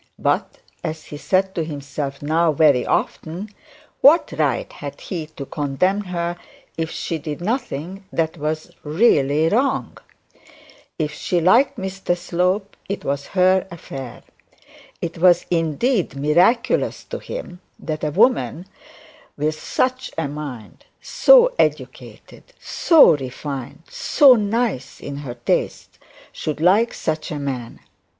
But, as he said to himself now very often, what right had he to condemn her if she did nothing that was really wrong? If she liked Mr Slope it was her affair. It was indeed miraculous to him, that a woman with such a mind, so educated, so refined, so nice in her tastes, should like such a man.